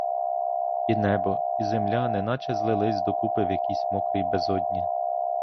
І небо, і земля неначе злились докупи в якійсь мокрій безодні.